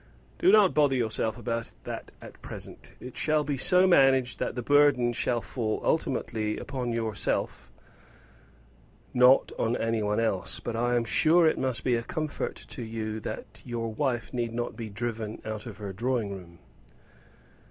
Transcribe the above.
"Do not bother yourself about that at present. It shall so be managed that the burden shall fall ultimately on yourself not on any one else. But I am sure it must be a comfort to you to know that your wife need not be driven out of her drawing room."